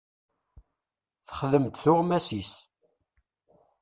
Texdem-d tuɣmas-is.